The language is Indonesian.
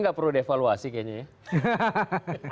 nggak perlu dievaluasi kayaknya ya